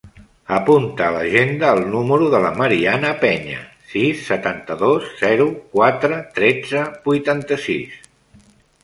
Apunta a l'agenda el número de la Mariana Peña: sis, setanta-dos, zero, quatre, tretze, vuitanta-sis.